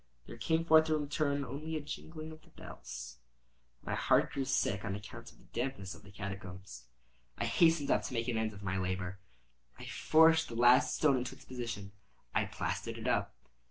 There came forth in return only a jingling of the bells. My heart grew sick—on account of the dampness of the catacombs. I hastened to make an end of my labor. I forced the last stone into its position; I plastered it up.